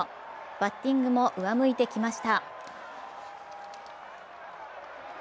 バッティングも上向いてきました。